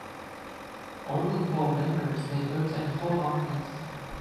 Only Full Members may vote and hold office.